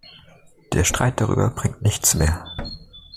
Der Streit darüber bringt nichts mehr.